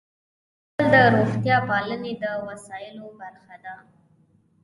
بوتل د روغتیا پالنې د وسایلو برخه ده.